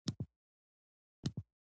له جذامیانو سره به ډېر بد تبعیض کېده.